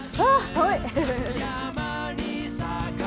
寒い！